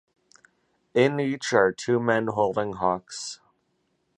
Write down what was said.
In each are two men holding hawks